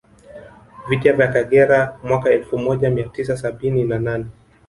Vita ya Kagera mwaka elfu moja mia tisa sabini na nane